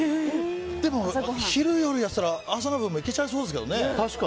でも昼、夜やってたら朝の分もいけちゃいそうですけどね。